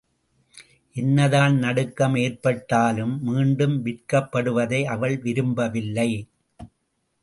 என்னதான் நடுக்கம் ஏற்பட்டாலும், மீண்டும் விற்கப்படுவதை அவள் விரும்பவில்லை.